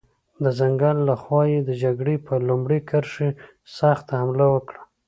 د ځنګل له خوا یې د جګړې پر لومړۍ کرښې سخته حمله وکړه.